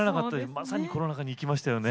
まさにコロナ禍に生きましたよね。